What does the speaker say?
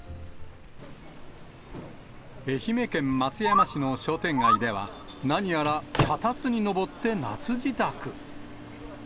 愛媛県松山市の商店街では、何やら脚立に登って夏支度。